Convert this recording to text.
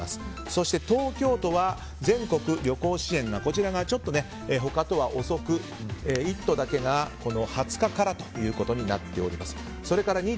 そして東京都は全国旅行支援が他とは遅く１都だけが２０日からということになっております。